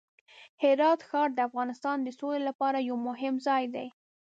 هرات ښار د افغانستان د سولې لپاره یو مهم ځای دی.